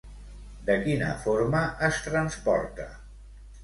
De quina forma es transporta?